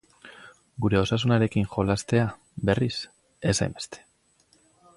Gure osasunarekin jolastea, berriz, ez hainbeste.